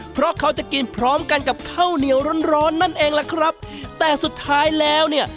เพราะเขาจะกินพร้อมกันกับข้าวเหนียวร้อนร้อนนั่นเองล่ะครับแต่สุดท้ายแล้วเนี่ย